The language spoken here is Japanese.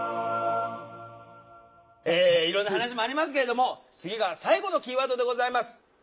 いろんな話もありますけれども次が最後のキーワードでございます。